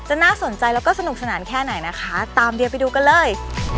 น่าสนใจแล้วก็สนุกสนานแค่ไหนนะคะตามเดียไปดูกันเลย